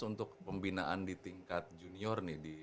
untuk pembinaan di tingkat junior nih